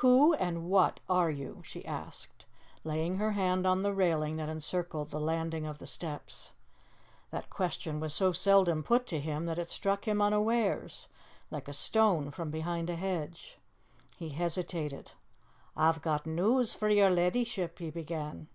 "Who and what are you?" she asked, laying her hand on the railing that encircled the landing of the steps. That question was so seldom put to him that it struck him unawares, like a stone from behind a hedge. He hesitated. "A've got news for yer leddyship," he began.